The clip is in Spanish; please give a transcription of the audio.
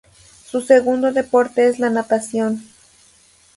Su segundo deporte es la Natación.